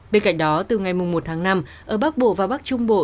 bên cạnh đó từ ngày một tháng năm ở bắc bộ và bắc trung bộ